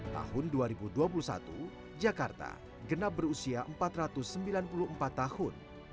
tahun dua ribu dua puluh satu jakarta genap berusia empat ratus sembilan puluh empat tahun